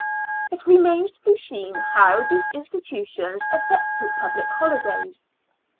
It remains to be seen how these institutions affected public holidays.